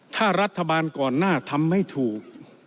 ถ้ารัฐบาลก่อนหน้าทำไม่ถูก